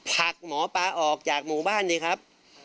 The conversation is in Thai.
ผลักหมอปลาออกจากหมู่บ้านดีครับ